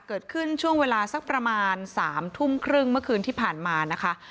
เกิดขึ้นช่วงเวลาสักประมาณ๓ทุ่มครึ่งเมื่อคืนที่ผ่านมานะคะ